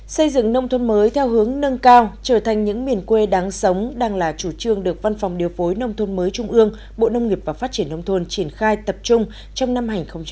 xây dựng nông thôn mới theo hướng nâng cao trở thành những miền quê đáng sống đang là chủ trương được văn phòng điều phối nông thôn mới trung ương bộ nông nghiệp và phát triển nông thôn triển khai tập trung trong năm hai nghìn hai mươi